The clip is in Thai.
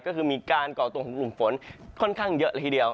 ก็คือมีการก่อตัวของกลุ่มฝนค่อนข้างเยอะละทีเดียว